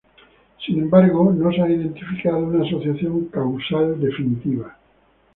Sin embargo, no se ha identificado una asociación causal definitiva.